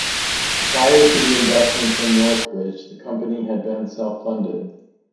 Prior to the investment from North Bridge, the company had been self funded.